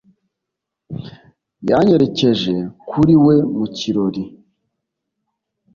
Yanyerekeje kuri we mu kirori.